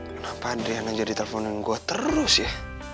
kenapa adriana jadi telponin gue terus ya